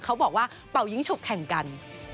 เขาบอกว่าเป่ายิงฉกแข่งกัน